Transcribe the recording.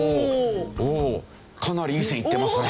かなりいい線いってますね。